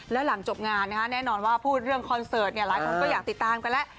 แล้วหลังจบงานแน่นอนว่าพูดเรื่องคอนเสิร์ตหลายคนก็อยากติดตามกันแล้ว